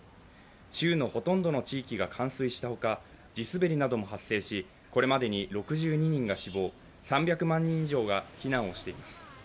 州のほとんどの地域が冠水したほか、地滑りなども発生し、これまでに６２人が死亡、３００万人以上が避難をしています。